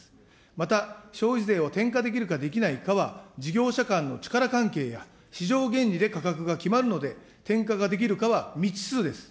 また、消費税を転嫁できるかできないかは、事業者間の力関係や市場原理で価格が決まるので、転嫁ができるかは未知数です。